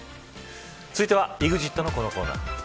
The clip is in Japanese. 続いてはＥＸＩＴのこのコーナー。